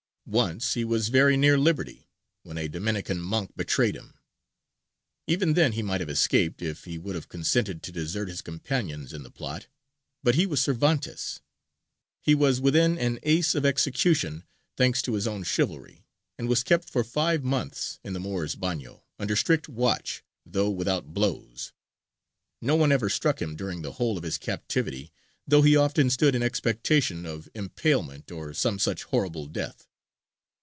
Once he was very near liberty, when a Dominican monk betrayed him; even then he might have escaped, if he would have consented to desert his companions in the plot: but he was Cervantes. He was within an ace of execution, thanks to his own chivalry, and was kept for five months in the Moor's bagnio, under strict watch, though without blows no one ever struck him during the whole of his captivity, though he often stood in expectation of impalement or some such horrible death.